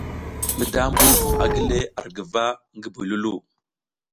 Ngi dambu vung a gile ar guva ngi buy Loulou.